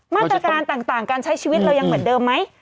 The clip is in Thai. มาตรการต่างการใช้ชีวิตเรายังเหมือนเดิมไหม